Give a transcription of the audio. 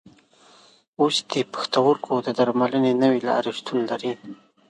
اوس د پښتورګو د درملنې نوې لارې شتون لري.